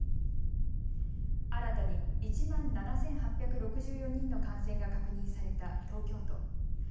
新たに１万７８６４人の感染が確認された東京都。